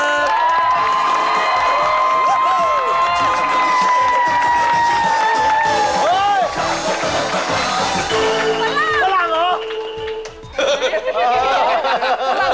ฝรั่งเหรอ